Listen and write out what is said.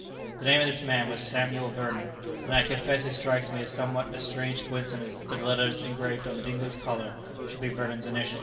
The name of this man was Samuel Vernon, and I confess it strikes me as somewhat a strange coincidence that the letters engraved on Dingo's collar should be Vernon's initials."